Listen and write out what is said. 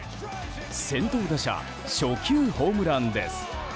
先頭打者初球ホームランです。